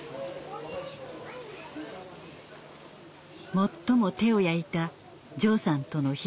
最も手を焼いたジョーさんとの日々。